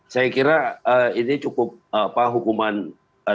saya kira ini cukup hukuman tuntutan mati